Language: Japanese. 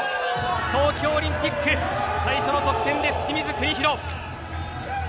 東京オリンピック最初の得点です、清水邦広。